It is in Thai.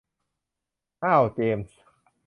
อ่าวเจมส์